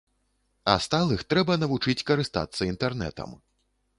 А сталых трэба навучыць карыстацца інтэрнэтам.